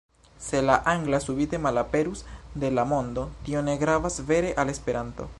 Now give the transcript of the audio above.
Se la angla subite malaperus de la mondo, tio ne gravas vere al Esperanto.